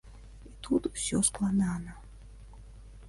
І тут усё складна.